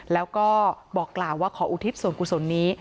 แล้วก็บอกกล่าวว่าขออุทิศส่วนกุศลนี้